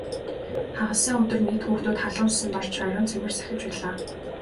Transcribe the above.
Хагас сайн өдөр нийт хүүхдүүд халуун усанд орж ариун цэвэр сахиж байлаа.